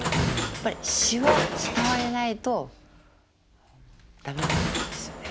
やっぱり詞は伝えないと駄目だと思うんですよね。